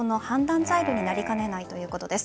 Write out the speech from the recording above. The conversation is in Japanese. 材料になりかねないということです。